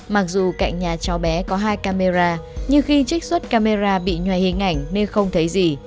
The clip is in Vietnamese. mặc dù cạnh nhà cháu bé có hai camera nhưng khi trích xuất camera bị nhòa hình ảnh nên không thấy gì